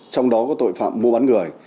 trong đó có tội phạm mua bán người